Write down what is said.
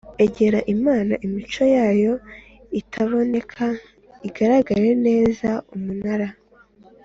Egera Imana Imico yayo itaboneka igaragara neza Umunara